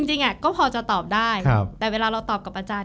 จริงก็พอจะตอบได้แต่เวลาเราตอบกับอาจารย์